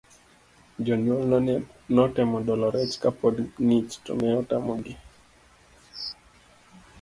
Jounyuolne notemo dolo rech kapod ng'ich to ne otamogi.